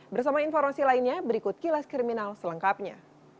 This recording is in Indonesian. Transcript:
bersama informasi lainnya berikut kilas kriminal selengkapnya